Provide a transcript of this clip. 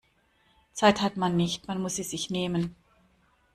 Zeit hat man nicht, man muss sie sich nehmen.